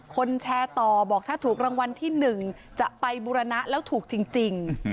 คนแชร์ต่อบอกถ้าถูกรางวัลที่๑จะไปบุรณะแล้วถูกจริง